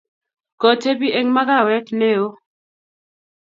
Kotebi eng makawet ne yoo